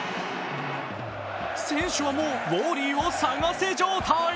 選手はもうウォーリーを探せ状態。